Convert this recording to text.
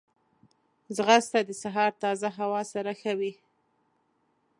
ځغاسته د سهار تازه هوا سره ښه وي